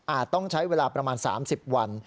ต้องใช้เวลาประมาณ๓๐วัน